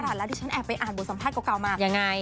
แล้วที่ฉันแอบไปอ่านบทสัมภาษณ์เก่ามายังไง